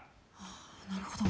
なるほど。